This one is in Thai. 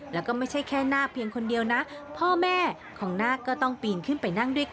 แล้วก็ไม่ใช่แค่นาคเพียงคนเดียวนะพ่อแม่ของนาคก็ต้องปีนขึ้นไปนั่งด้วยกัน